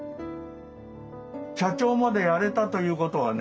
社長までやれたということはね